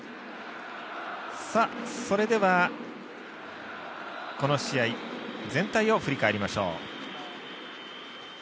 それでは、この試合全体を振り返りましょう。